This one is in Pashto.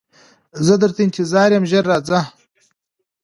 زه درته انتظار یم ژر راځه